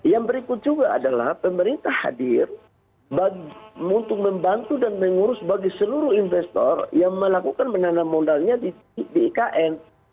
yang berikut juga adalah pemerintah hadir untuk membantu dan mengurus bagi seluruh investor yang melakukan menanam modalnya di ikn